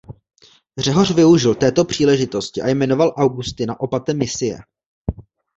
Řehoř využil této příležitosti a jmenoval Augustina opatem misie.